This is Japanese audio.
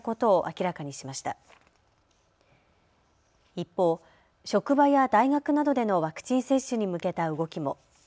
一方、職場や大学などでのワクチン接種に向けた動きも。